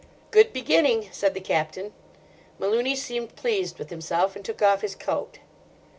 "Good beginning!" said the Captain. Malooney seemed pleased with himself, and took off his coat.